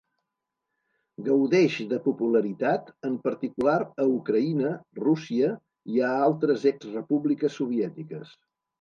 Gaudeix de popularitat en particular a Ucraïna, Rússia, i a altres ex-Repúbliques Soviètiques.